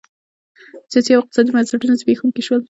سیاسي او اقتصادي بنسټونه زبېښونکي شول